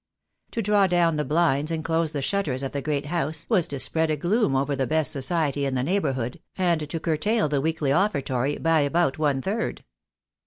To draw down the blinds and close the shutters of the great house was to spread a gloom over the best society in the neighbourhood, and to curtail the weekly offertory by about one third.